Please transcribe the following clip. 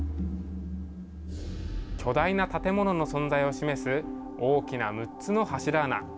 巨大な建物の存在を示す大きな６つの柱穴。